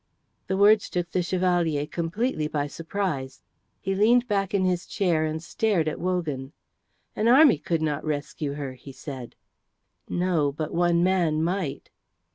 The words took the Chevalier completely by surprise. He leaned back in his chair and stared at Wogan. "An army could not rescue her," he said. "No, but one man might."